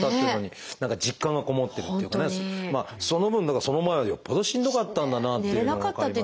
その分だからその前はよっぽどしんどかったんだなっていうのも分かりますけれど。